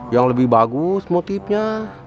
yang lebih bagus motifnya